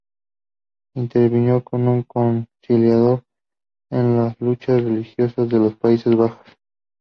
Intervino como conciliador en las luchas religiosas de los Países Bajos.